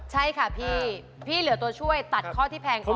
ใช่ค่ะพี่พี่เหลือตัวช่วยตัดข้อที่แพงขึ้น